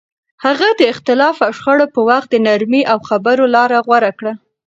هغه د اختلاف او شخړو په وخت د نرمۍ او خبرو لار غوره کړه.